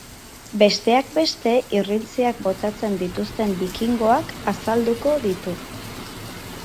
Besteak beste, irrintziak botatzen dituzten bikingoak azalduko ditu.